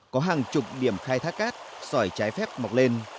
có hàng chục điểm khai thác cát sỏi trái phép mọc lên